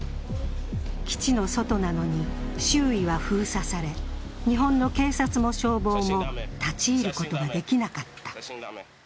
基地の外なのに周囲は封鎖され、日本の警察も消防も立ち入ることができなかった。